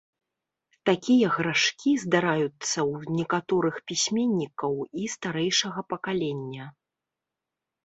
Такія грашкі здараюцца ў некаторых пісьменнікаў і старэйшага пакалення.